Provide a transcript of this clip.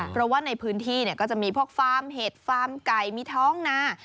เพราะว่าในพื้นที่ก็จะมีพวกฟาร์มเห็ดฟาร์มไก่มีท้องนา